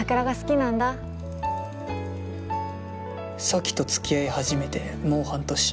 咲とつきあい始めてもう半年。